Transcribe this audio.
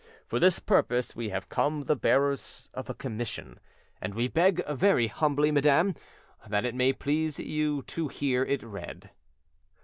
For this purpose we have come the bearers of a commission, and we beg very humbly, madam, that it may please you to hear it read."